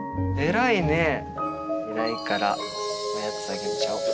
偉いからおやつあげちゃおう。